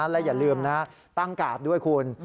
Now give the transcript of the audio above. และอย่าลืมนะตั้งกาดด้วยคุณ